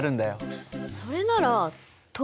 それなら等